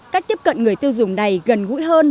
cách tiếp cận người tiêu dùng này gần gũi hơn